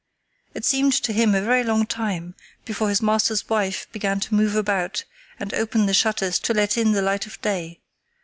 It seemed to him a very long time before his master's wife began to move about and open the shutters to let in the light of day.